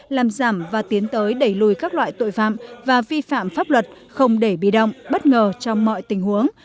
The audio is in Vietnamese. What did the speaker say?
làm giảm và tiến tới đẩy lùi các loại tội phạm và vi phạm pháp luật không để bị động bất ngờ trong mọi tình huống